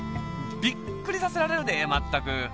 びっくりさせられるでまったく。